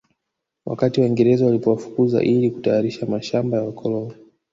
Wakati Waingereza walipowafukuza ili kutayarisha mashamba ya wakoloni